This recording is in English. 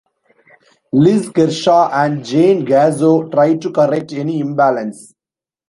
Liz Kershaw and Jane Gazzo try to correct any imbalance.